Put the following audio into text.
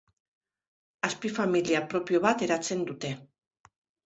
Azpifamilia propio bat eratzen dute.